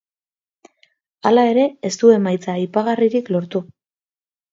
Hala ere ez du emaitza aipagarririk lortu.